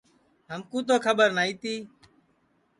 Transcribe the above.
ہمکُو تو کھٻر نائی تی